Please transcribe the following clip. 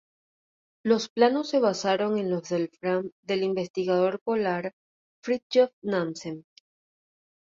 Los planos se basaron en los del Fram del investigador polar Fridtjof Nansen.